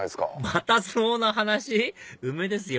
また相撲の話⁉梅ですよ